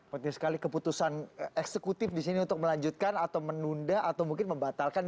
penting sekali keputusan eksekutif di sini untuk melanjutkan atau menunda atau mungkin membatalkan